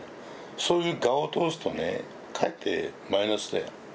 そういう我を通すとねかえってマイナスだよ。